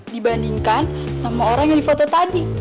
dibandingkan sama orang yang di foto tadi